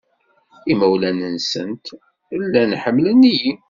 Imawlan-nsent llan ḥemmlen-iyi.